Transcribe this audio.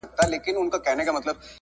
چي ښه بېلګه يې په اوسنۍ زمانه کي